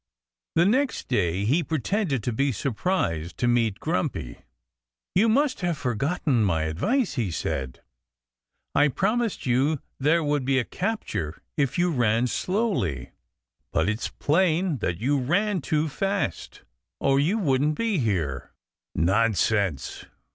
The next day he pretended to be surprised to meet Grumpy. "You must have forgotten my advice," he said. "I promised you that there would be a capture if you ran slowly. But it's plain that you ran too fast, or you wouldn't be here." "Nonsense!"